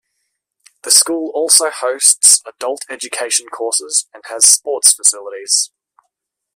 The school also hosts adult education courses and has sports facilities.